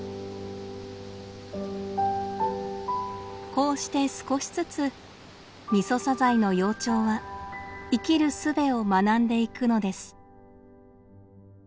こうして少しずつミソサザイの幼鳥は生きるすべを学んでいくのです。